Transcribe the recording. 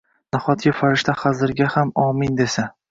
Nahotki, farishta hazilga ham “Omin” desa?